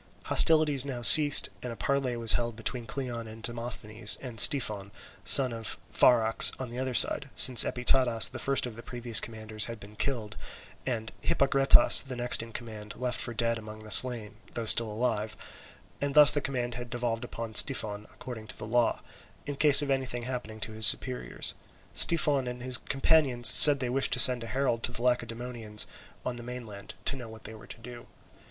Hostilities now ceased, and a parley was held between Cleon and Demosthenes and Styphon, son of Pharax, on the other side; since Epitadas, the first of the previous commanders, had been killed, and Hippagretas, the next in command, left for dead among the slain, though still alive, and thus the command had devolved upon Styphon according to the law, in case of anything happening to his superiors. Styphon and his companions said they wished to send a herald to the Lacedaemonians on the mainland, to know what they were to do.